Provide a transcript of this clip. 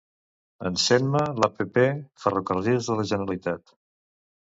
Encén-me l'app Ferrocarrils de la Generalitat.